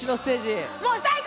もう最高！